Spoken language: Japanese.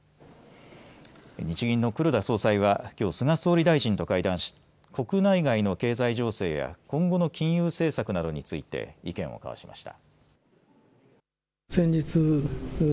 日銀の黒田総裁はきょう菅総理大臣と会談し、国内外の経済情勢や今後の金融政策などについて意見を交わしました。